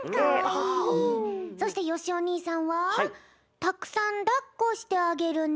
そしてよしお兄さんは「たくさんだっこしてあげるね」。